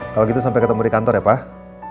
kalau gitu sampai ketemu di kantor ya pak